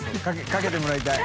かけてもらいたい！